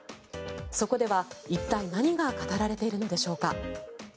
そこでは一体、何が語られているのでしょうか。